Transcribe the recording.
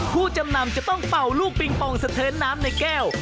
ผู้จำนำจะต้องเป่าลูกปิงปองสะเทินน้ำในแก้ว